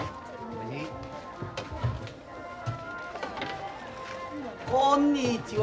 あこんにちは。